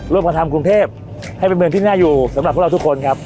มาทำกรุงเทพให้เป็นเมืองที่น่าอยู่สำหรับพวกเราทุกคนครับ